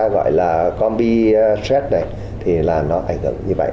chúng ta gọi là combi stress này thì là nó ảnh hưởng như vậy